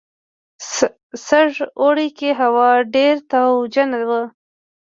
سږ اوړي کې هوا ډېره تاوجنه وه.